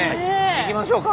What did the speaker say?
行きましょうか。